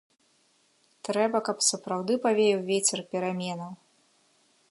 Трэба, каб сапраўды павеяў вецер пераменаў.